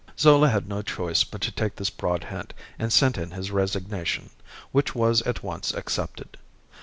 Zola had no choice but to take this broad hint, and send in his resignation, which was at once accepted.